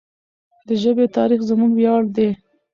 د ژبې تاریخ زموږ ویاړ دی.